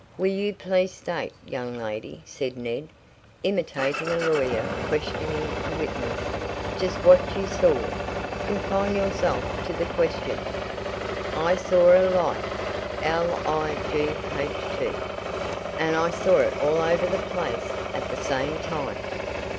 "Will you please state, young lady," said Ned, imitating a lawyer questioning a witness, "just what you saw? Confine yourself to the question." "I saw a light l i g h t. And I saw it all over the place at the same time."